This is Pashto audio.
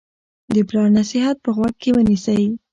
د پلار نصیحت په غوږ کې ونیسئ.